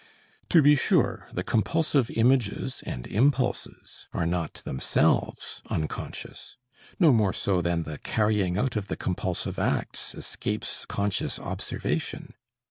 To be sure, the compulsive images and impulses are not themselves unconscious no more so than the carrying out of the compulsive acts escapes conscious observation.